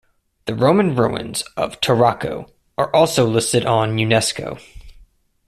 The Roman ruins of Tarraco are also listed on Unesco.